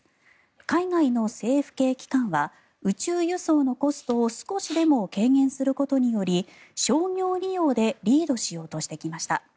海外の政府系機関は宇宙輸送のコストを少しでも軽減することにより商業利用でリードしようとしてきました。